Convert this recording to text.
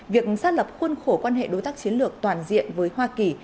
việc xác lập khuôn khổ quan hệ đối tác chiến lược toàn diện với hoa kỳ